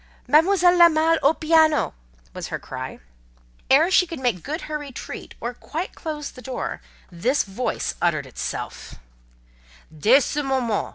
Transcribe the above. "Mademoiselle La Malle au piano!" was her cry. Ere she could make good her retreat, or quite close the door, this voice uttered itself:— "Dès ce moment!